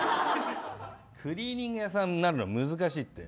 クリーニング屋さんになるの難しいって。